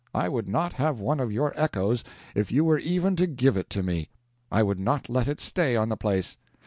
I would not have one of your echoes if you were even to give it to me. I would not let it stay on the place.